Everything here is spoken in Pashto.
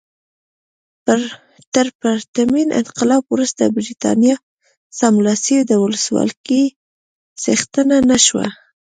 تر پرتمین انقلاب وروسته برېټانیا سملاسي د ولسواکۍ څښتنه نه شوه.